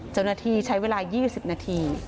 เจ้าหน้าที่ใช้เวลา๒๐นาที